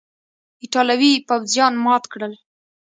ایټالوي پوځیان مات کړل.